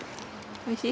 おいしい？